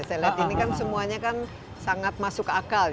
saya lihat ini kan semuanya sangat masuk akal